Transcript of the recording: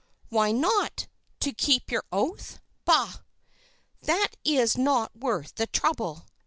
"Why not? To keep your oath? Bah! that is not worth the trouble.